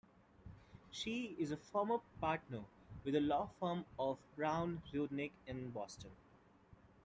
She is a former partner with the law firm of Brown Rudnick in Boston.